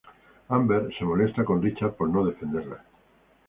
Amber se molesta con Richard por no defenderla.